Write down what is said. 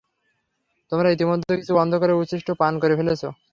তোমরা ইতোমধ্যে কিছু অন্ধকারের উচ্ছিষ্ট পান করে ফেলেছো।